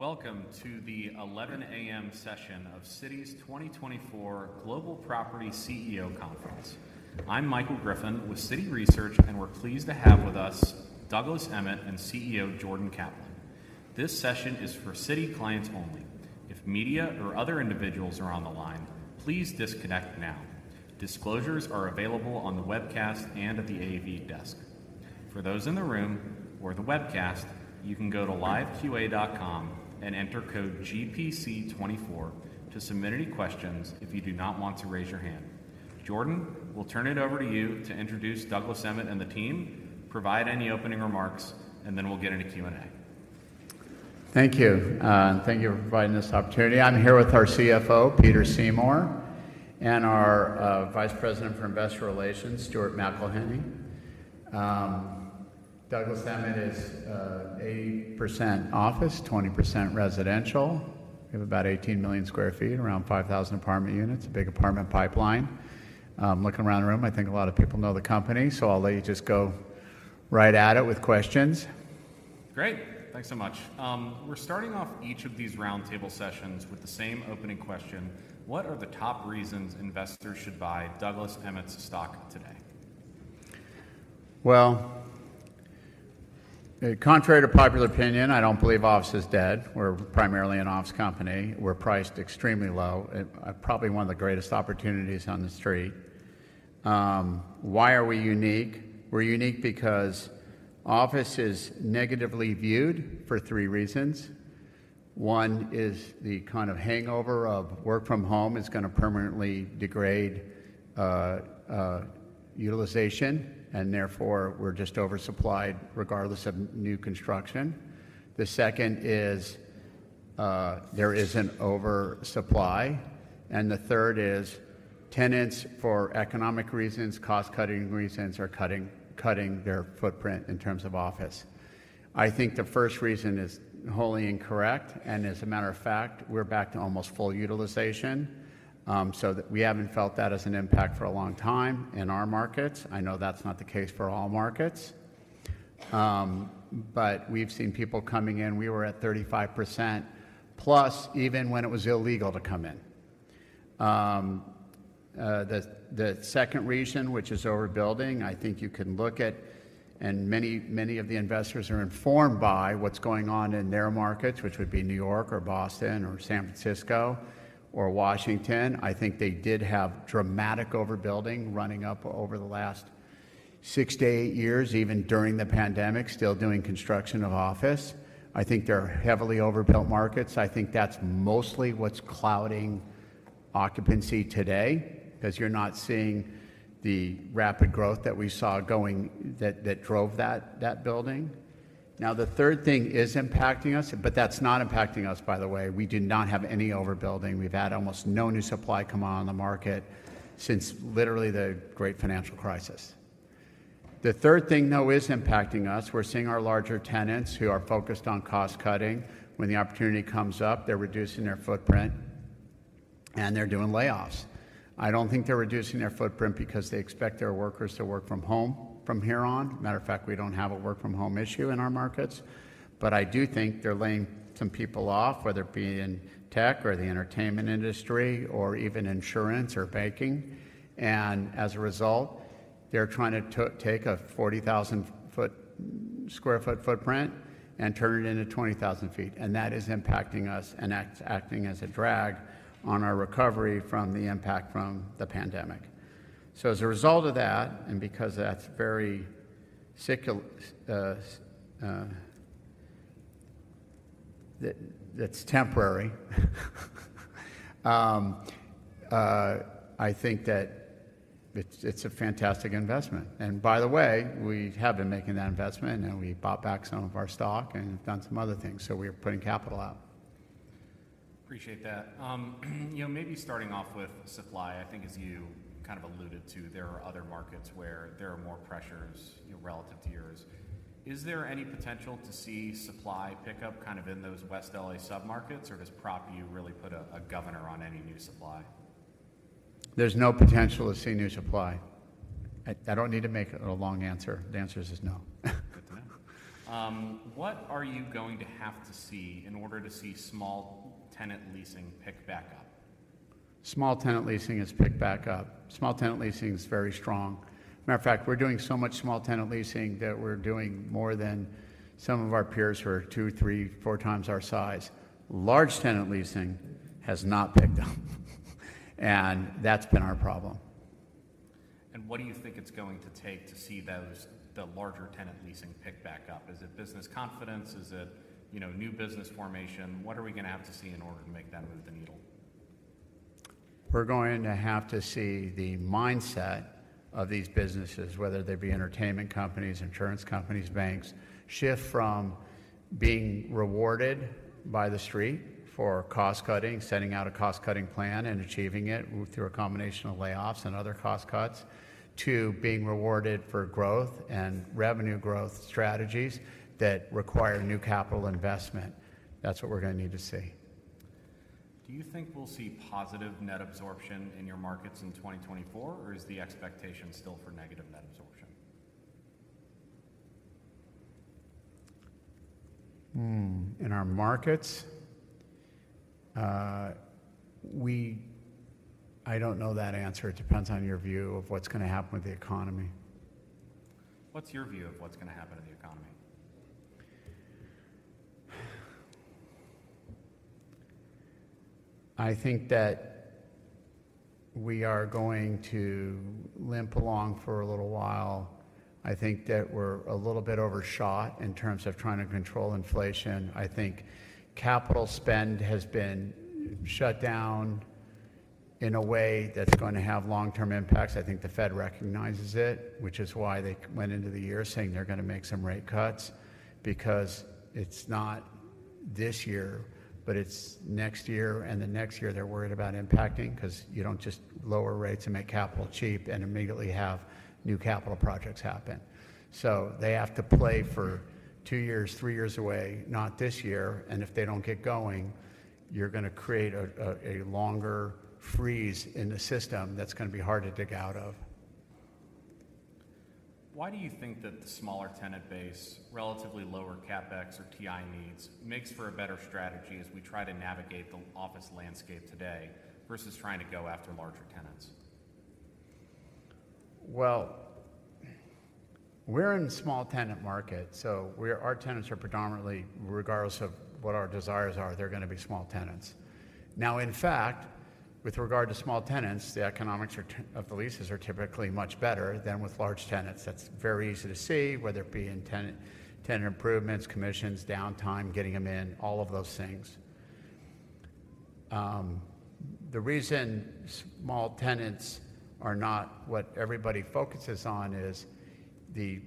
Welcome to the 11:00 A.M. session of Citi's 2024 Global Property CEO Conference. I'm Michael Griffin with Citi Research, and we're pleased to have with us Douglas Emmett and CEO Jordan Kaplan. This session is for Citi clients only. If media or other individuals are on the line, please disconnect now. Disclosures are available on the webcast and at the AV desk. For those in the room or the webcast, you can go to LiveQA.com and enter code GPC24 to submit any questions if you do not want to raise your hand. Jordan, we'll turn it over to you to introduce Douglas Emmett and the team, provide any opening remarks, and then we'll get into Q&A. Thank you. Thank you for providing this opportunity. I'm here with our CFO, Peter Seymour, and our Vice President for Investor Relations, Stuart McElhinney. Douglas Emmett is 80% office, 20% residential. We have about 18 million sq ft, around 5,000 apartment units, a big apartment pipeline. Looking around the room, I think a lot of people know the company, so I'll let you just go right at it with questions. Great. Thanks so much. We're starting off each of these roundtable sessions with the same opening question: What are the top reasons investors should buy Douglas Emmett's stock today? Well, contrary to popular opinion, I don't believe office is dead. We're primarily an office company. We're priced extremely low, probably one of the greatest opportunities on the street. Why are we unique? We're unique because office is negatively viewed for three reasons. One is the kind of hangover of work from home is going to permanently degrade utilization, and therefore we're just oversupplied regardless of new construction. The second is there is an oversupply. And the third is tenants, for economic reasons, cost-cutting reasons, are cutting their footprint in terms of office. I think the first reason is wholly incorrect, and as a matter of fact, we're back to almost full utilization. So we haven't felt that as an impact for a long time in our markets. I know that's not the case for all markets. But we've seen people coming in. We were at 35%+ even when it was illegal to come in. The second reason, which is overbuilding, I think you can look at, and many, many of the investors are informed by what's going on in their markets, which would be New York or Boston or San Francisco or Washington. I think they did have dramatic overbuilding running up over the last 6-8 years, even during the pandemic, still doing construction of office. I think they're heavily overbuilt markets. I think that's mostly what's clouding occupancy today because you're not seeing the rapid growth that we saw going that drove that building. Now, the third thing is impacting us, but that's not impacting us, by the way. We do not have any overbuilding. We've had almost no new supply come on the market since literally the Great Financial Crisis. The third thing, though, is impacting us. We're seeing our larger tenants who are focused on cost-cutting. When the opportunity comes up, they're reducing their footprint, and they're doing layoffs. I don't think they're reducing their footprint because they expect their workers to work from home from here on. Matter of fact, we don't have a work-from-home issue in our markets. But I do think they're laying some people off, whether it be in tech or the entertainment industry or even insurance or banking. And as a result, they're trying to take a 40,000 sq ft footprint and turn it into 20,000 sq ft. And that is impacting us and acting as a drag on our recovery from the impact from the pandemic. So as a result of that, and because that's very temporary, I think that it's a fantastic investment. By the way, we have been making that investment, and we bought back some of our stock and have done some other things. We are putting capital out. Appreciate that. Maybe starting off with supply, I think, as you kind of alluded to, there are other markets where there are more pressures relative to yours. Is there any potential to see supply pick up kind of in those West LA submarkets, or does Douglas Emmett really put a governor on any new supply? There's no potential to see new supply. I don't need to make a long answer. The answer is no. Good to know. What are you going to have to see in order to see small tenant leasing pick back up? Small tenant leasing has picked back up. Small tenant leasing is very strong. Matter of fact, we're doing so much small tenant leasing that we're doing more than some of our peers who are 2x, 3x, 4x our size. Large tenant leasing has not picked up, and that's been our problem. What do you think it's going to take to see the larger tenant leasing pick back up? Is it business confidence? Is it new business formation? What are we going to have to see in order to make that move the needle? We're going to have to see the mindset of these businesses, whether they be entertainment companies, insurance companies, banks, shift from being rewarded by the street for cost-cutting, setting out a cost-cutting plan and achieving it through a combination of layoffs and other cost cuts to being rewarded for growth and revenue growth strategies that require new capital investment. That's what we're going to need to see. Do you think we'll see positive net absorption in your markets in 2024, or is the expectation still for negative net absorption? In our markets? I don't know that answer. It depends on your view of what's going to happen with the economy. What's your view of what's going to happen to the economy? I think that we are going to limp along for a little while. I think that we're a little bit overshot in terms of trying to control inflation. I think capital spend has been shut down in a way that's going to have long-term impacts. I think the Fed recognizes it, which is why they went into the year saying they're going to make some rate cuts because it's not this year, but it's next year. And the next year, they're worried about impacting because you don't just lower rates and make capital cheap and immediately have new capital projects happen. So they have to play for two years, three years away, not this year. And if they don't get going, you're going to create a longer freeze in the system that's going to be hard to dig out of. Why do you think that the smaller tenant base, relatively lower CapEx or TI needs, makes for a better strategy as we try to navigate the office landscape today versus trying to go after larger tenants? Well, we're in the small tenant market, so our tenants are predominantly, regardless of what our desires are, they're going to be small tenants. Now, in fact, with regard to small tenants, the economics of the leases are typically much better than with large tenants. That's very easy to see, whether it be in tenant improvements, commissions, downtime, getting them in, all of those things. The reason small tenants are not what everybody focuses on is the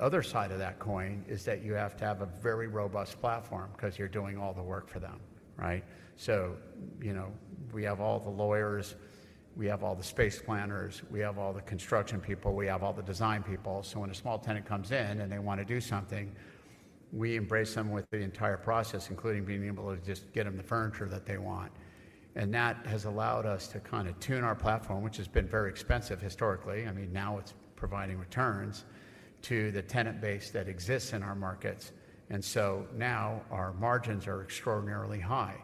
other side of that coin is that you have to have a very robust platform because you're doing all the work for them, right? So we have all the lawyers. We have all the space planners. We have all the construction people. We have all the design people. When a small tenant comes in and they want to do something, we embrace them with the entire process, including being able to just get them the furniture that they want. That has allowed us to kind of tune our platform, which has been very expensive historically. I mean, now it's providing returns to the tenant base that exists in our markets. Now our margins are extraordinarily high.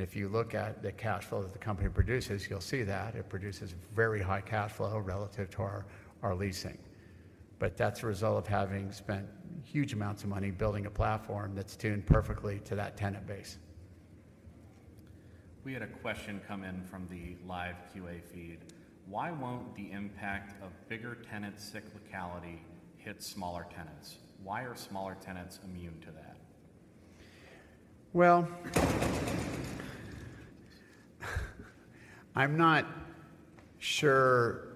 If you look at the cash flow that the company produces, you'll see that it produces very high cash flow relative to our leasing. But that's a result of having spent huge amounts of money building a platform that's tuned perfectly to that tenant base. We had a question come in from the LiveQA feed. Why won't the impact of bigger tenant cyclicality hit smaller tenants? Why are smaller tenants immune to that? Well, I'm not sure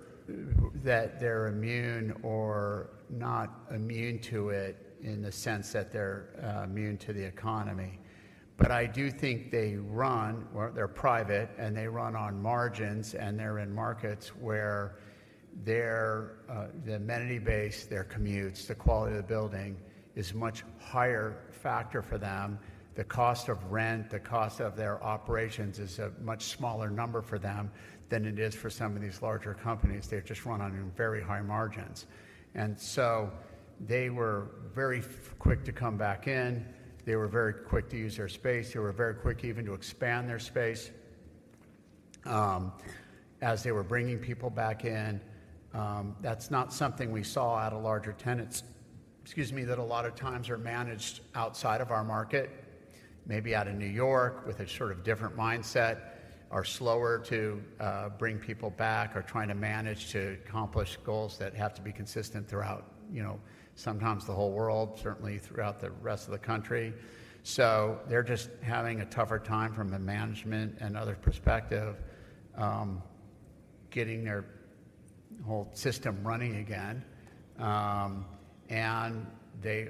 that they're immune or not immune to it in the sense that they're immune to the economy. But I do think they're private, and they run on margins, and they're in markets where the amenity base, their commutes, the quality of the building is a much higher factor for them. The cost of rent, the cost of their operations is a much smaller number for them than it is for some of these larger companies. They just run on very high margins. And so they were very quick to come back in. They were very quick to use their space. They were very quick even to expand their space as they were bringing people back in. That's not something we saw at a larger tenant's—excuse me—that a lot of times are managed outside of our market, maybe out of New York with a sort of different mindset, are slower to bring people back, are trying to manage to accomplish goals that have to be consistent throughout sometimes the whole world, certainly throughout the rest of the country. So they're just having a tougher time from a management and other perspective getting their whole system running again. And they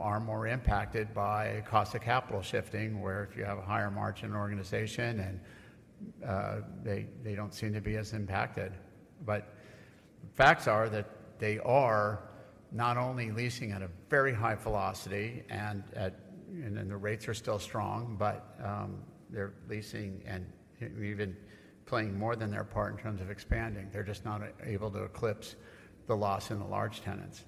are more impacted by cost of capital shifting, where if you have a higher margin organization, they don't seem to be as impacted. But facts are that they are not only leasing at a very high velocity, and the rates are still strong, but they're leasing and even playing more than their part in terms of expanding. They're just not able to eclipse the loss in the large tenants.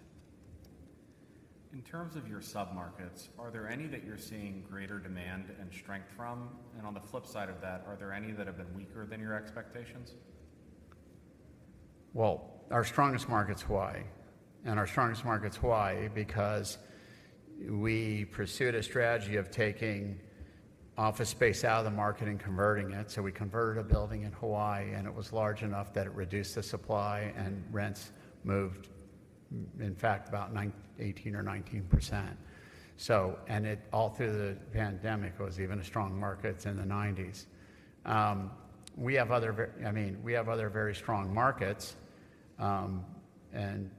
In terms of your submarkets, are there any that you're seeing greater demand and strength from? On the flip side of that, are there any that have been weaker than your expectations? Well, our strongest markets, why? And our strongest markets, why? Because we pursued a strategy of taking office space out of the market and converting it. So we converted a building in Hawaii, and it was large enough that it reduced the supply, and rents moved, in fact, about 18% or 19%. And all through the pandemic, it was even a strong market in the '90s. We have other—I mean, we have other very strong markets. And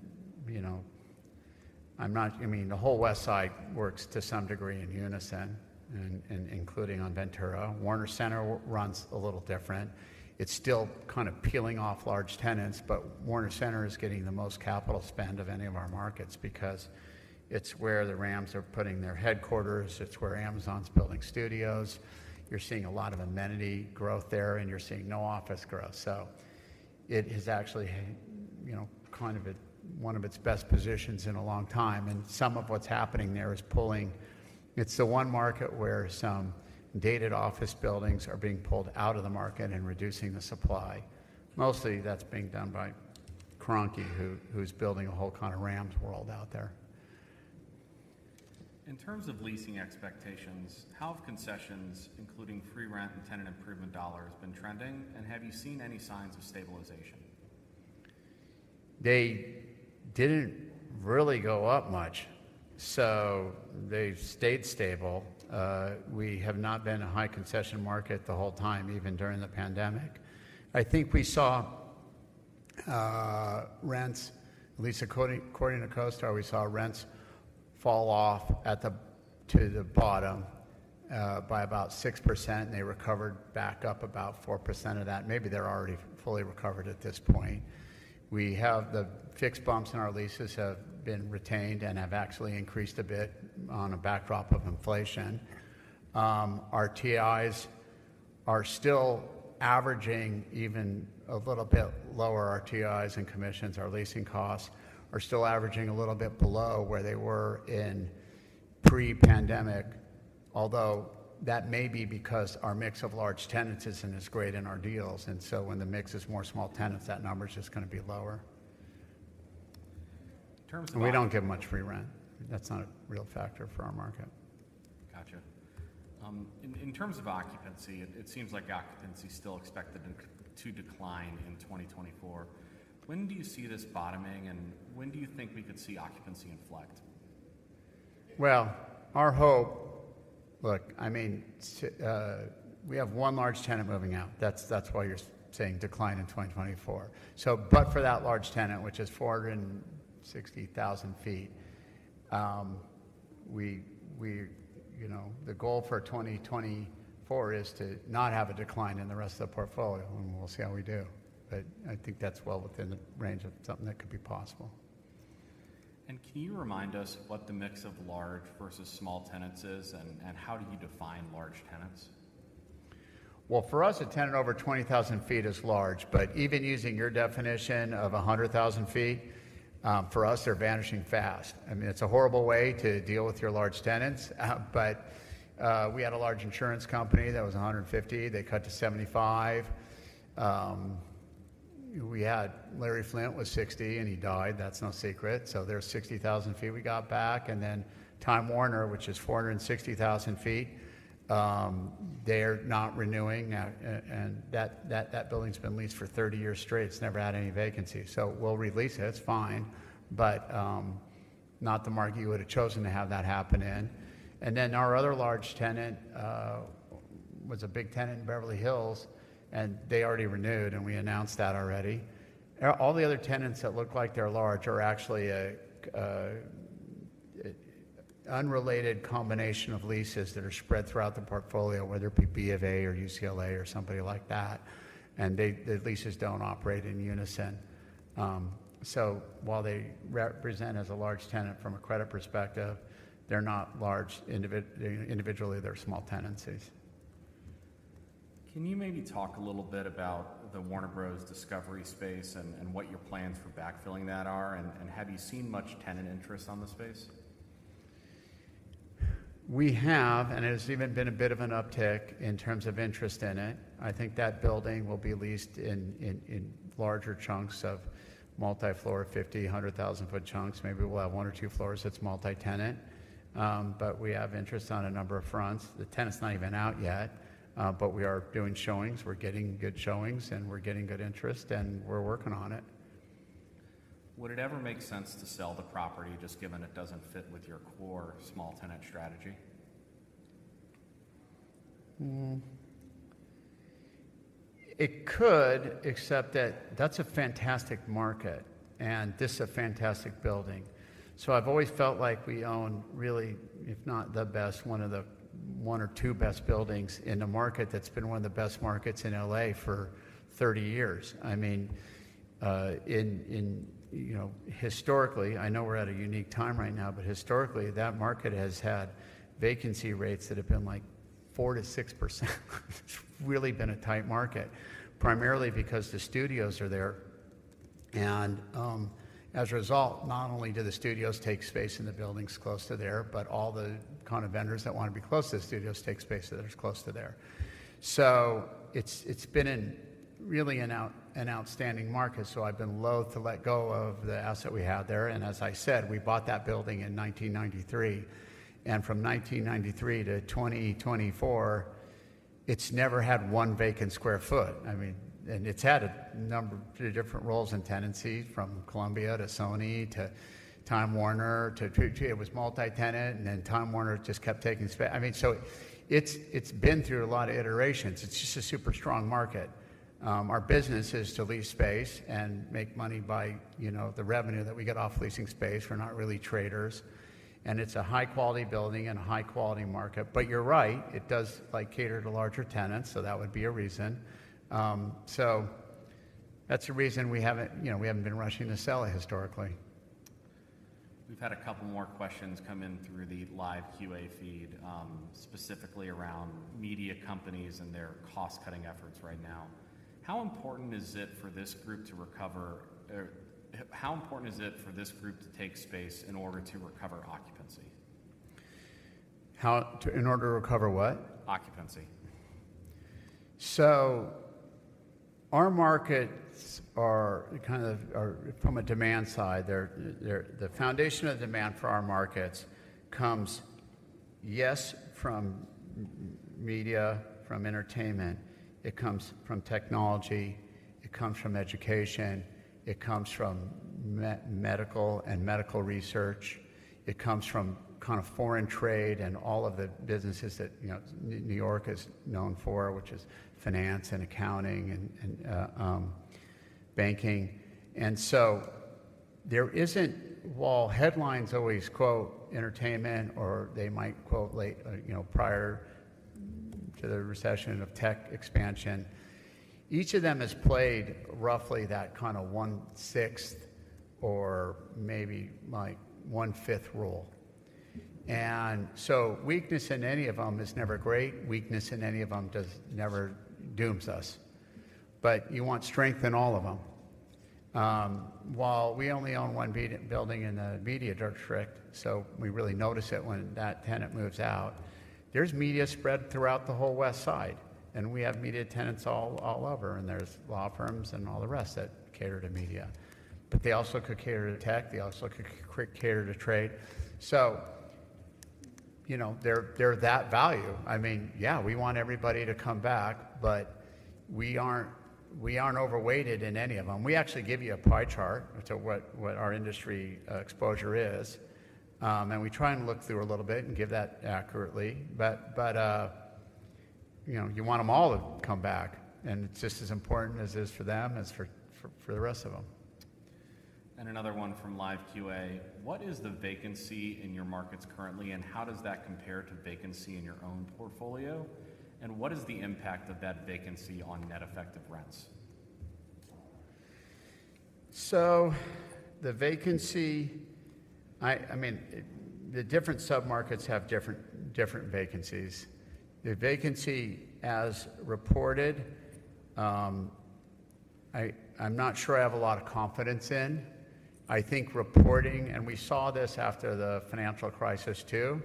I'm not—I mean, the whole Westside works to some degree in unison, including on Ventura. Warner Center runs a little different. It's still kind of peeling off large tenants, but Warner Center is getting the most capital spend of any of our markets because it's where the Rams are putting their headquarters. It's where Amazon's building studios. You're seeing a lot of amenity growth there, and you're seeing no office growth. So it has actually kind of one of its best positions in a long time. And some of what's happening there is pulling; it's the one market where some dated office buildings are being pulled out of the market and reducing the supply. Mostly, that's being done by Kroenke, who's building a whole kind of Rams world out there. In terms of leasing expectations, how have concessions, including free rent and tenant improvement dollars, been trending? And have you seen any signs of stabilization? They didn't really go up much, so they stayed stable. We have not been a high concession market the whole time, even during the pandemic. I think we saw rents at least according to CoStar, we saw rents fall off to the bottom by about 6%, and they recovered back up about 4% of that. Maybe they're already fully recovered at this point. The fixed bumps in our leases have been retained and have actually increased a bit on a backdrop of inflation. Our TIs are still averaging even a little bit lower. Our TIs and commissions, our leasing costs, are still averaging a little bit below where they were in pre-pandemic, although that may be because our mix of large tenants isn't as great in our deals. And so when the mix is more small tenants, that number is just going to be lower. In terms of. We don't give much free rent. That's not a real factor for our market. Gotcha. In terms of occupancy, it seems like occupancy is still expected to decline in 2024. When do you see this bottoming, and when do you think we could see occupancy inflect? Well, our hope, look, I mean, we have one large tenant moving out. That's why you're saying decline in 2024. But for that large tenant, which is 460,000 sq ft, the goal for 2024 is to not have a decline in the rest of the portfolio, and we'll see how we do. But I think that's well within the range of something that could be possible. Can you remind us what the mix of large versus small tenants is, and how do you define large tenants? Well, for us, a tenant over 20,000 sq ft is large. But even using your definition of 100,000 sq ft, for us, they're vanishing fast. I mean, it's a horrible way to deal with your large tenants. But we had a large insurance company that was 150,000 sq ft. They cut to 75,000 sq ft. Larry Flynt was 60,000 sq ft, and he died. That's no secret. So there's 60,000 sq ft we got back. And then Time Warner, which is 460,000 sq ft, they're not renewing. And that building's been leased for 30 years straight. It's never had any vacancies. So we'll release it. It's fine, but not the market you would have chosen to have that happen in. And then our other large tenant was a big tenant in Beverly Hills, and they already renewed, and we announced that already. All the other tenants that look like they're large are actually an unrelated combination of leases that are spread throughout the portfolio, whether it be B of A or UCLA or somebody like that. The leases don't operate in unison. While they represent as a large tenant from a credit perspective, they're not large. Individually, they're small tenancies. Can you maybe talk a little bit about the Warner Bros. Discovery space and what your plans for backfilling that are? And have you seen much tenant interest on the space? We have, and it has even been a bit of an uptick in terms of interest in it. I think that building will be leased in larger chunks of multi-floor, 50-100,000-foot chunks. Maybe we'll have one or two floors that's multi-tenant. But we have interest on a number of fronts. The tenant's not even out yet, but we are doing showings. We're getting good showings, and we're getting good interest, and we're working on it. Would it ever make sense to sell the property just given it doesn't fit with your core small tenant strategy? It could, except that that's a fantastic market and this is a fantastic building. So I've always felt like we own really, if not the best, one of the one or two best buildings in the market that's been one of the best markets in L.A. for 30 years. I mean, historically I know we're at a unique time right now, but historically, that market has had vacancy rates that have been like 4%-6%. It's really been a tight market, primarily because the studios are there. And as a result, not only do the studios take space in the buildings close to there, but all the kind of vendors that want to be close to the studios take space that are close to there. So it's been really an outstanding market. So I've been loath to let go of the asset we had there. As I said, we bought that building in 1993. From 1993 to 2024, it's never had one vacant sq ft. I mean, and it's had a number of different roles and tenancies, from Columbia to Sony to Time Warner to it was multi-tenant, and then Time Warner just kept taking space. I mean, so it's been through a lot of iterations. It's just a super strong market. Our business is to lease space and make money by the revenue that we get off leasing space. We're not really traders. It's a high-quality building and a high-quality market. But you're right. It does cater to larger tenants, so that would be a reason. So that's a reason we haven't been rushing to sell it historically. We've had a couple more questions come in through the live QA feed, specifically around media companies and their cost-cutting efforts right now. How important is it for this group to take space in order to recover occupancy? In order to recover what? Occupancy. So our markets are kind of from a demand side. The foundation of demand for our markets comes, yes, from media, from entertainment. It comes from technology. It comes from education. It comes from medical and medical research. It comes from kind of foreign trade and all of the businesses that New York is known for, which is finance and accounting and banking. And so there isn't, while headlines always quote entertainment, or they might quote prior to the recession of tech expansion, each of them has played roughly that kind of 1/6 or maybe 1/5 rule. And so weakness in any of them is never great. Weakness in any of them does never dooms us. But you want strength in all of them. While we only own one building in the Media District, so we really notice it when that tenant moves out, there's media spread throughout the whole Westside. And we have media tenants all over, and there's law firms and all the rest that cater to media. But they also could cater to tech. They also could cater to trade. So they're that value. I mean, yeah, we want everybody to come back, but we aren't overweighted in any of them. We actually give you a pie chart to what our industry exposure is. And we try and look through a little bit and give that accurately. But you want them all to come back, and it's just as important as it is for them as for the rest of them. Another one from Live QA. What is the vacancy in your markets currently, and how does that compare to vacancy in your own portfolio? And what is the impact of that vacancy on net effective rents? So the vacancy, I mean, the different submarkets have different vacancies. The vacancy, as reported, I'm not sure I have a lot of confidence in. I think reporting, and we saw this after the financial crisis too.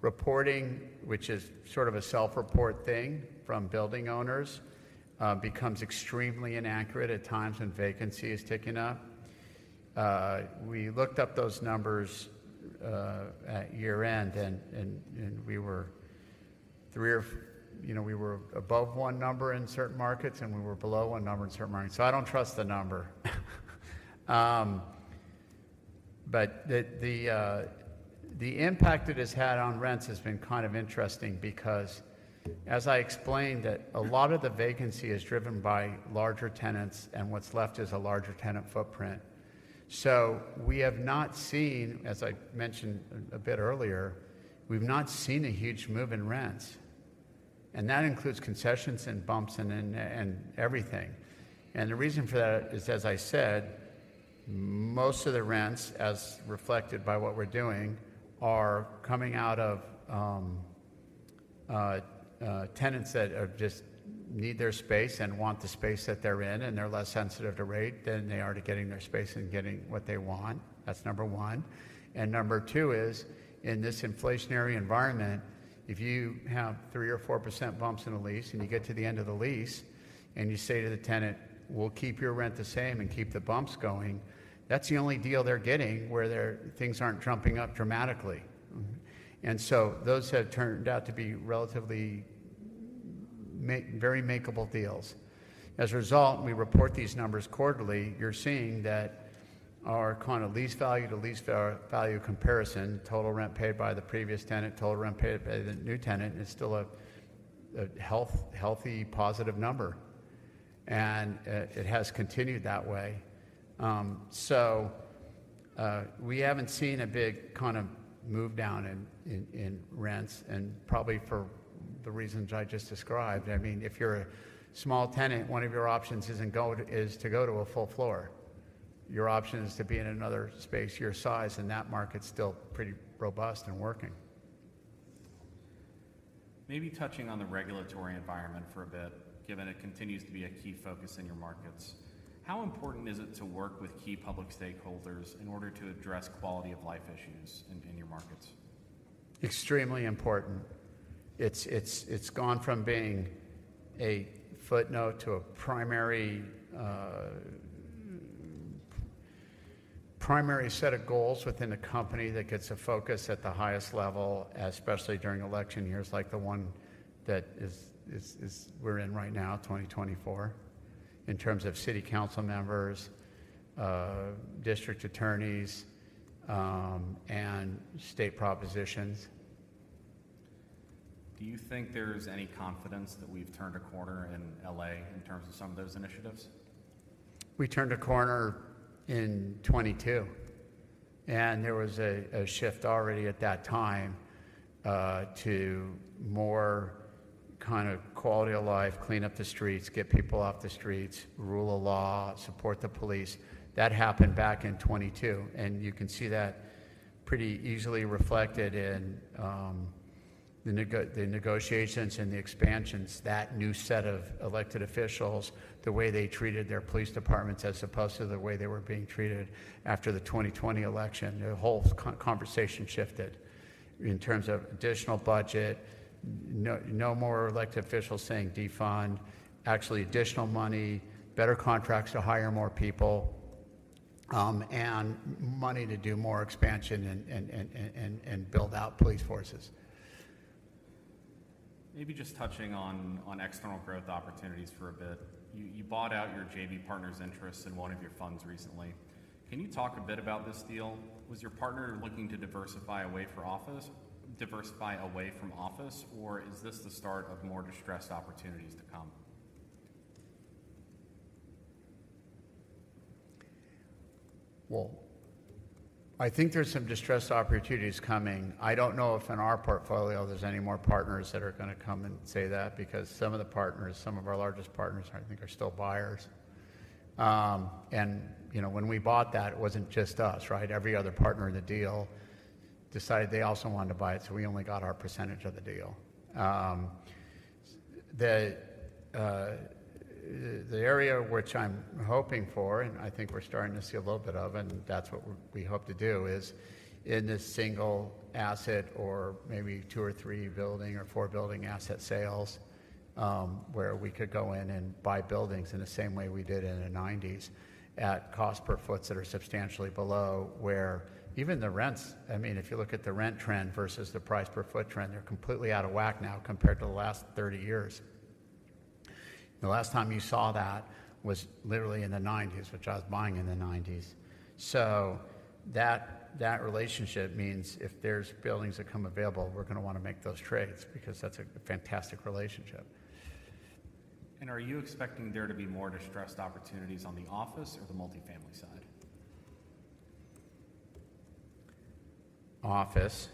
Reporting, which is sort of a self-report thing from building owners, becomes extremely inaccurate at times when vacancy is ticking up. We looked up those numbers at year-end, and we were three or we were above one number in certain markets, and we were below one number in certain markets. So I don't trust the number. But the impact it has had on rents has been kind of interesting because, as I explained, that a lot of the vacancy is driven by larger tenants, and what's left is a larger tenant footprint. So we have not seen, as I mentioned a bit earlier, we've not seen a huge move in rents. That includes concessions and bumps and everything. The reason for that is, as I said, most of the rents, as reflected by what we're doing, are coming out of tenants that just need their space and want the space that they're in, and they're less sensitive to rate than they are to getting their space and getting what they want. That's number one. Number two is, in this inflationary environment, if you have 3%-4% bumps in a lease, and you get to the end of the lease, and you say to the tenant, "We'll keep your rent the same and keep the bumps going," that's the only deal they're getting where things aren't jumping up dramatically. So those have turned out to be relatively very makeable deals. As a result, when we report these numbers quarterly, you're seeing that our kind of lease value-to-lease value comparison, total rent paid by the previous tenant, total rent paid by the new tenant, is still a healthy, positive number. It has continued that way. We haven't seen a big kind of move down in rents, and probably for the reasons I just described. I mean, if you're a small tenant, one of your options is to go to a full floor. Your option is to be in another space your size, and that market's still pretty robust and working. Maybe touching on the regulatory environment for a bit, given it continues to be a key focus in your markets. How important is it to work with key public stakeholders in order to address quality of life issues in your markets? Extremely important. It's gone from being a footnote to a primary set of goals within the company that gets a focus at the highest level, especially during election years like the one that we're in right now, 2024, in terms of city council members, district attorneys, and state propositions. Do you think there's any confidence that we've turned a corner in L.A. in terms of some of those initiatives? We turned a corner in 2022. There was a shift already at that time to more kind of quality of life, clean up the streets, get people off the streets, rule of law, support the police. That happened back in 2022. You can see that pretty easily reflected in the negotiations and the expansions, that new set of elected officials, the way they treated their police departments as opposed to the way they were being treated after the 2020 election. The whole conversation shifted in terms of additional budget, no more elected officials saying defund, actually additional money, better contracts to hire more people, and money to do more expansion and build out police forces. Maybe just touching on external growth opportunities for a bit. You bought out your JV Partners interests in one of your funds recently. Can you talk a bit about this deal? Was your partner looking to diversify away from office, or is this the start of more distressed opportunities to come? Well, I think there's some distressed opportunities coming. I don't know if in our portfolio there's any more partners that are going to come and say that because some of the partners, some of our largest partners, I think, are still buyers. And when we bought that, it wasn't just us, right? Every other partner in the deal decided they also wanted to buy it, so we only got our percentage of the deal. The area which I'm hoping for, and I think we're starting to see a little bit of, and that's what we hope to do, is in this single asset or maybe 2 or 3 building or 4 building asset sales where we could go in and buy buildings in the same way we did in the '90s at cost per foot that are substantially below, where even the rents I mean, if you look at the rent trend versus the price per foot trend, they're completely out of whack now compared to the last 30 years. The last time you saw that was literally in the '90s, which I was buying in the '90s. So that relationship means if there's buildings that come available, we're going to want to make those trades because that's a fantastic relationship. Are you expecting there to be more distressed opportunities on the office or the multifamily side? Office.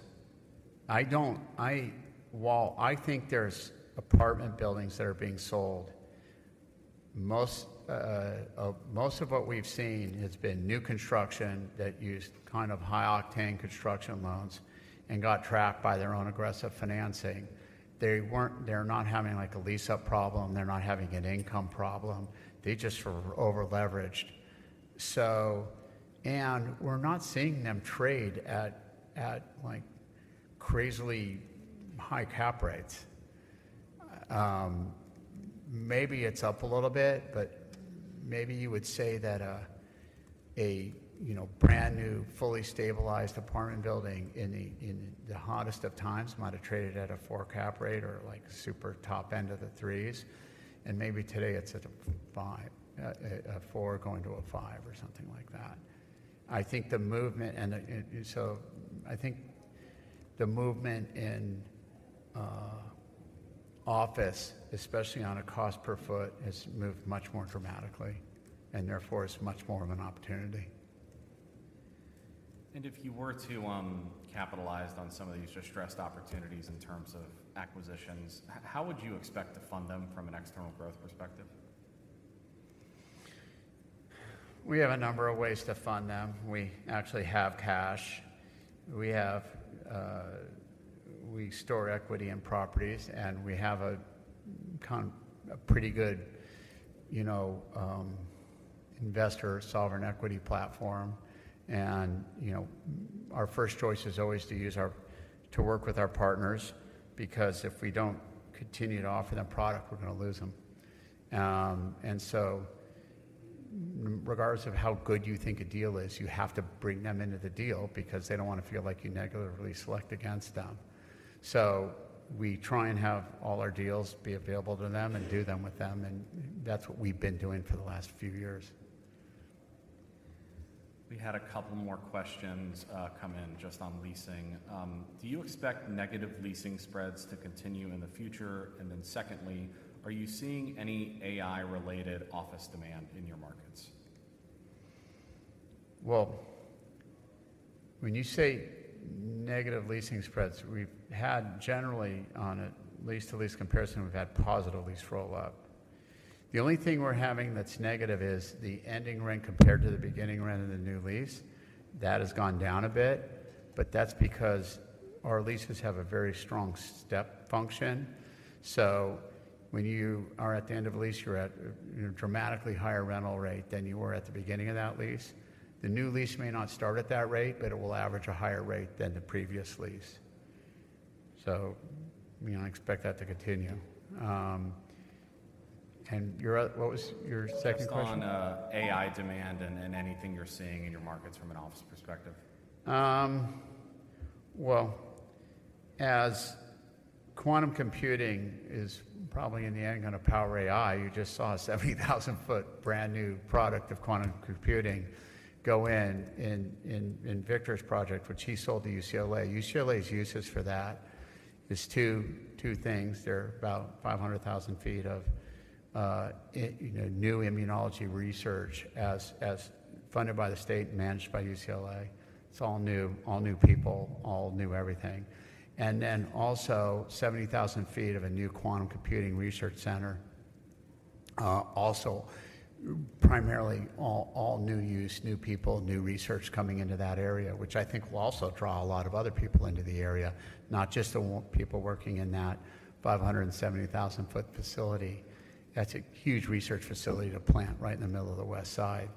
While I think there's apartment buildings that are being sold, most of what we've seen has been new construction that used kind of high-octane construction loans and got trapped by their own aggressive financing. They're not having a lease-up problem. They're not having an income problem. They just over-leveraged. We're not seeing them trade at crazily high cap rates. Maybe it's up a little bit, but maybe you would say that a brand new, fully stabilized apartment building in the hottest of times might have traded at a 4 cap rate or super top end of the 3s. Maybe today, it's a 4 going to a 5 or something like that. I think the movement and so I think the movement in office, especially on a cost per foot, has moved much more dramatically, and therefore, it's much more of an opportunity. If you were to capitalize on some of these distressed opportunities in terms of acquisitions, how would you expect to fund them from an external growth perspective? We have a number of ways to fund them. We actually have cash. We store equity in properties, and we have a pretty good investor solvent equity platform. Our first choice is always to work with our partners because if we don't continue to offer them product, we're going to lose them. So regardless of how good you think a deal is, you have to bring them into the deal because they don't want to feel like you negatively select against them. We try and have all our deals be available to them and do them with them. That's what we've been doing for the last few years. We had a couple more questions come in just on leasing. Do you expect negative leasing spreads to continue in the future? And then secondly, are you seeing any AI-related office demand in your markets? Well, when you say negative leasing spreads, we've had generally, on at least the lease comparison, we've had positive lease roll-up. The only thing we're having that's negative is the ending rent compared to the beginning rent in the new lease. That has gone down a bit, but that's because our leases have a very strong step function. So when you are at the end of a lease, you're at a dramatically higher rental rate than you were at the beginning of that lease. The new lease may not start at that rate, but it will average a higher rate than the previous lease. So we don't expect that to continue. And what was your second question? That's on AI demand and anything you're seeing in your markets from an office perspective. Well, as quantum computing is probably, in the end, going to power AI, you just saw a 70,000 sq ft brand new product of quantum computing go in in Victor's project, which he sold to UCLA. UCLA's uses for that is two things. They're about 500,000 sq ft of new immunology research funded by the state and managed by UCLA. It's all new, all new people, all new everything. And then also, 70,000 sq ft of a new quantum computing research center, also primarily all new use, new people, new research coming into that area, which I think will also draw a lot of other people into the area, not just the people working in that 570,000 sq ft facility. That's a huge research facility to plant right in the middle of the Westside.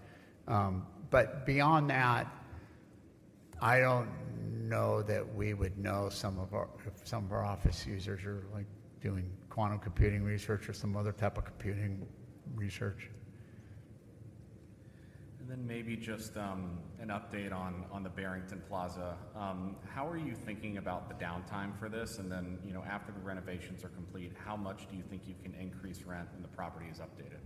Beyond that, I don't know that we would know some of our office users are doing quantum computing research or some other type of computing research. And then maybe just an update on the Barrington Plaza? How are you thinking about the downtime for this? And then after the renovations are complete, how much do you think you can increase rent when the property is updated?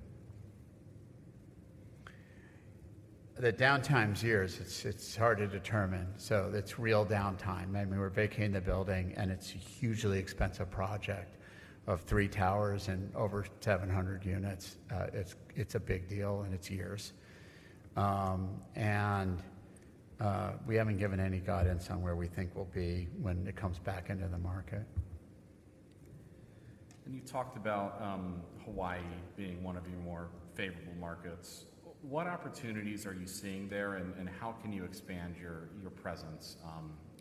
The downtime's years. It's hard to determine. So it's real downtime. I mean, we're vacating the building, and it's a hugely expensive project of three towers and over 700 units. It's a big deal, and it's years. We haven't given any guidance on where we think we'll be when it comes back into the market. You talked about Hawaii being one of your more favorable markets. What opportunities are you seeing there, and how can you expand your presence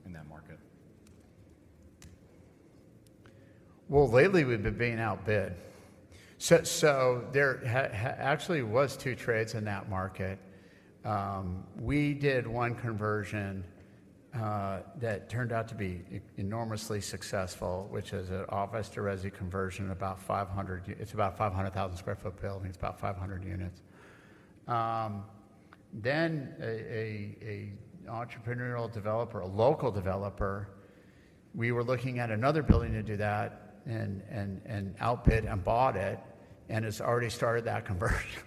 in that market? Well, lately, we've been being outbid. So there actually was 2 trades in that market. We did one conversion that turned out to be enormously successful, which is an office-to-residential conversion. It's about 500,000 sq ft building. It's about 500 units. Then an entrepreneurial developer, a local developer, we were looking at another building to do that and outbid and bought it and has already started that conversion.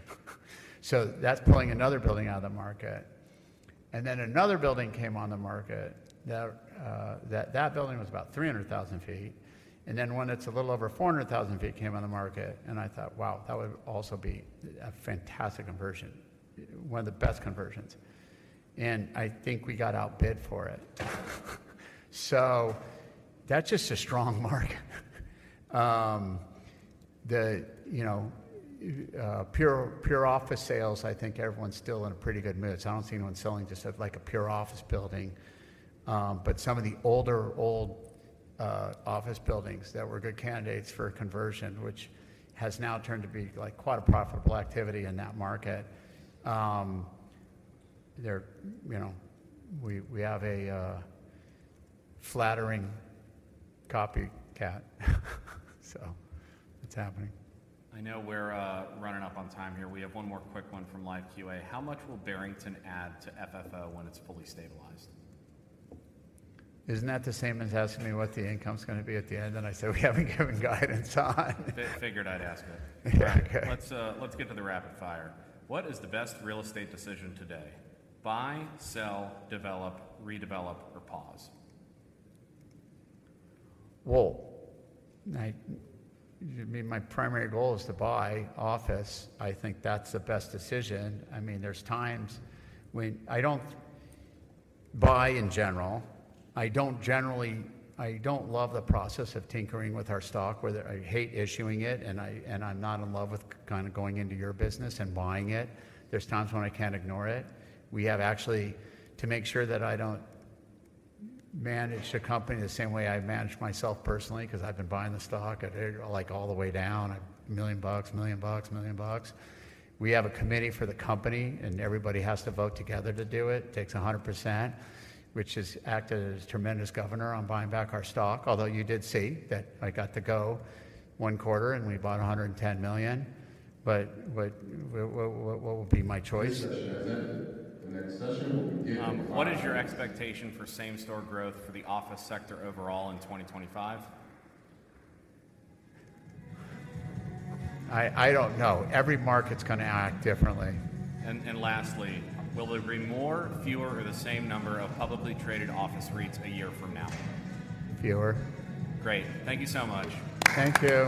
So that's pulling another building out of the market. And then another building came on the market. That building was about 300,000 sq ft. And then one that's a little over 400,000 sq ft came on the market. And I thought, "Wow, that would also be a fantastic conversion, one of the best conversions." And I think we got outbid for it. So that's just a strong market. The pure office sales, I think everyone's still in a pretty good mood. I don't see anyone selling just a pure office building. But some of the older, old office buildings that were good candidates for a conversion, which has now turned to be quite a profitable activity in that market, we have a flattering copycat. It's happening. I know we're running up on time here. We have one more quick one from LiveQA. How much will Barrington add to FFO when it's fully stabilized? Isn't that the same as asking me what the income's going to be at the end? And I said, "We haven't given guidance on. Figured I'd ask it. Let's get to the rapid fire. What is the best real estate decision today? Buy, sell, develop, redevelop, or pause? Well, I mean, my primary goal is to buy office. I think that's the best decision. I mean, there's times when I don't buy in general. I don't love the process of tinkering with our stock, where I hate issuing it, and I'm not in love with kind of going into your business and buying it. There's times when I can't ignore it. To make sure that I don't manage the company the same way I manage myself personally because I've been buying the stock all the way down, $1 million, $1 million, $1 million, we have a committee for the company, and everybody has to vote together to do it. It takes 100%, which has acted as a tremendous governor on buying back our stock, although you did see that I got to go one quarter, and we bought $110 million. But what will be my choice? Next session, Next session. The next session, we'll be giving you a buyout. What is your expectation for same-store growth for the office sector overall in 2025? I don't know. Every market's going to act differently. Lastly, will there be more, fewer, or the same number of publicly traded office REITs a year from now? Fewer. Great. Thank you so much. Thank you.